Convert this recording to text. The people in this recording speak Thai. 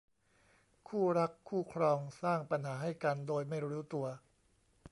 คู่รักคู่ครองสร้างปัญหาให้กันโดยไม่รู้ตัว